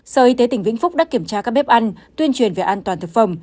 sở y tế tỉnh vĩnh phúc đã kiểm tra các bếp ăn tuyên truyền về an toàn thực phẩm